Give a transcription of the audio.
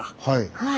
はい。